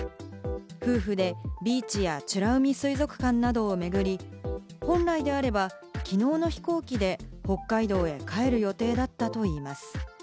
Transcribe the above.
夫婦でビーチや美ら海水族館などを巡り、本来であれば、きのうの飛行機で北海道へ帰る予定だったといいます。